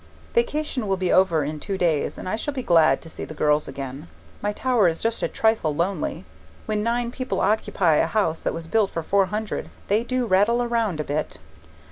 Vacation will be over in two days and I shall be glad to see the girls again. My tower is just a trifle lonely; when nine people occupy a house that was built for four hundred, they do rattle around a bit.